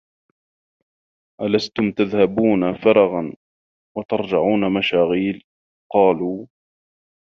أَلَسْتُمْ تَذْهَبُونَ فَرْغًا وَتَرْجِعُونَ مَشَاغِيلَ ؟ قَالُوا